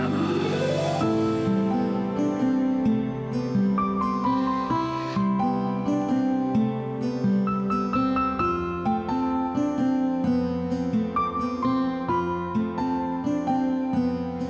masuk gak ya